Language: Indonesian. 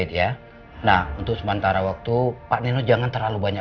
dia terluka karena menolong sienna